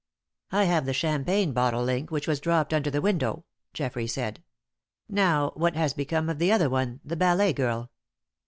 "I have the champagne bottle link which was dropped under the window," Geoffrey said. "Now, what has become of the other one, the ballet, girl?"